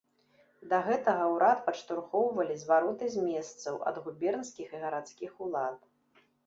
Да гэтага ўрад падштурхоўвалі звароты з месцаў, ад губернскіх і гарадскіх улад.